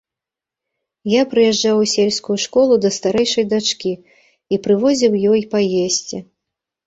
Я прыязджаў у сельскую школу да старэйшай дачкі і прывозіў ёй паесці.